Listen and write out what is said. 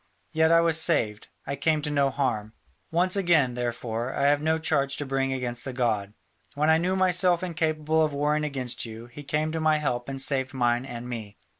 Yet I was saved, I came to no harm. Once again, therefore, I have no charge to bring against the god: when I knew myself incapable of warring against you, he came to my help and saved mine and me.